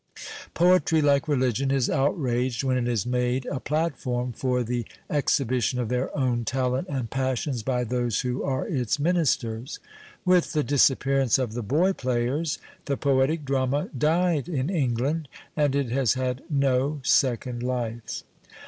Poetry, like religion, is outraged when it is made a j)latform for the exhi bition of their own talent and passions by those who 17.5 PASTICHE AND PREJUDICE arc its ministers. Witli tlit disappearance oi" the boy players the })oetie drama died in Enghind, and it has had no second hfe."'